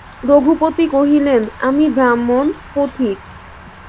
রঘুপতি কহিলেন, আমি ব্রাহ্মণ, পথিক।